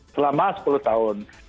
selama sepuluh tahun